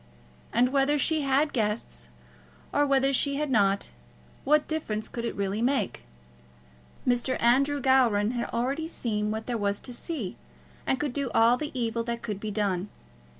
And whether she had guests, or whether she had not, what difference could it really make? Mr. Andrew Gowran had already seen what there was to see, and could do all the evil that could be done.